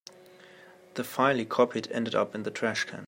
The file he copied ended up in the trash can.